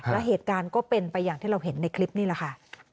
แล้วเหตุการณ์ก็เป็นไปอย่างที่เราเห็นในคลิปนี่แหละค่ะ